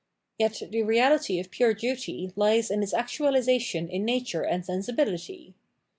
Yet tbe reality of pure duty lies in its actualisation in nature and sensibility.